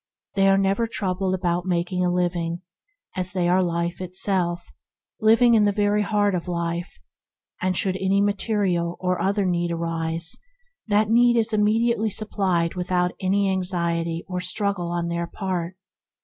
They are never troubled about "mak ing a living," as they are Life itself, living in the very Heart of Life; and should any material or other need arise, that need is immediately supplied without any anxiety or struggle on their part.